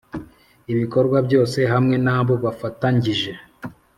Ibikorwa byose hamwe n abo bafatangije